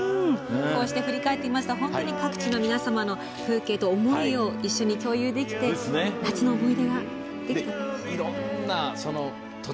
こうして振り返ってみますと各地の皆様の風景と思いを一緒に共有できて「夏の思い出」ができたと。